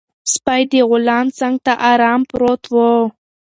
سپی د غلام څنګ ته ارام پروت و.